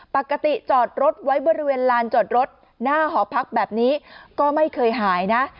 ปกติจอดรถไว้บริเวณลานจอดรถหน้าหอพักแบบนี้ก็ไม่เคยหายนะ